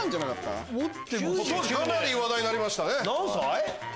当時かなり話題になりましたね。